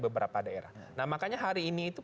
beberapa daerah nah makanya hari ini itu